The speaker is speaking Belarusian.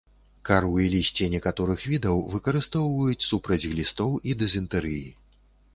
Кару і лісце некаторых відаў выкарыстоўваюць супраць глістоў і дызентэрыі.